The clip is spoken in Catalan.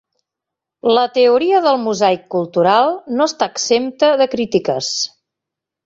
La teoria del "mosaic cultural" no està exempta de crítiques.